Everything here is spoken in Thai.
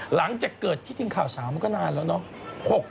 หลังจากเกิดที่จริงข่าวเช้ามันก็นานแล้วเนาะ